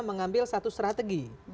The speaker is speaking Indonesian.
mengambil satu strategi